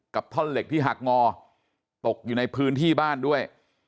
ท่อนเหล็กที่หักงอตกอยู่ในพื้นที่บ้านด้วย